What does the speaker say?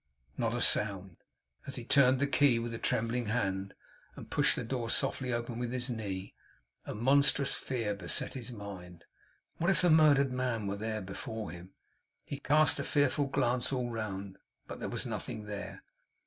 Not a sound. As he turned the key with a trembling hand, and pushed the door softly open with his knee, a monstrous fear beset his mind. What if the murdered man were there before him! He cast a fearful glance all round. But there was nothing there.